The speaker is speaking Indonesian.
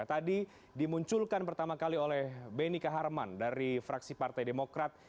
tadi dimunculkan pertama kali oleh benny kaharman dari fraksi partai demokrat